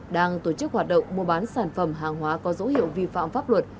đang tổ chức hoạt động mua bán sản phẩm hàng hóa có dấu hiệu vi phạm pháp luật